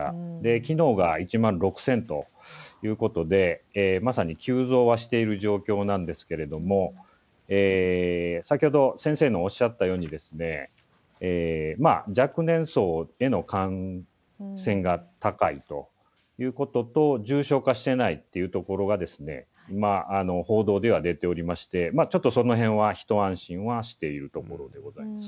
きのうが１万６０００ということで、まさに急増はしている状況なんですけれども、先ほど、先生のおっしゃったように、若年層への感染が高いということと、重症化してないっていうところが、今、報道では出ておりまして、ちょっとそのへんは一安心はしているところでございます。